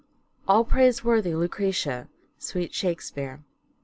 " All praise worthy Lucrecia : Sweet Shak speare."